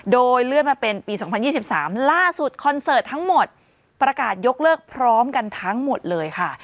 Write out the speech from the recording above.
โดยเลื่อนมาเป็นปี๒๐๒๓ล่าสุดคอนเสิร์ตทั้งหมดประกาศยกเลิกพร้อมกันทั้งหมดเลยค่ะ